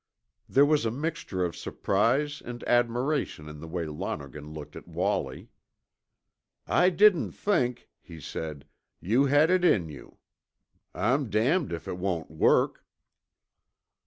There was a mixture of surprise and admiration in the way Lonergan looked at Wallie. "I didn't think," he said, "you had it in you. I'm damned if it won't work."